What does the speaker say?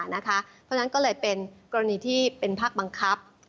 เพราะฉะนั้นก็เลยเป็นกรณีที่เป็นภาคบังคับ